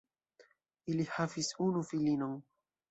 Ili havis unu filinon.